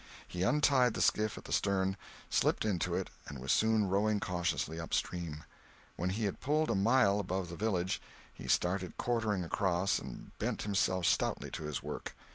He untied the skiff at the stern, slipped into it, and was soon rowing cautiously upstream. When he had pulled a mile above the village, he started quartering across and bent himself stoutly to his work.